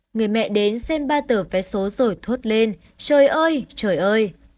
người mẹ đến xem ba tờ vé số rồi thốt lên trời ơi trời ơi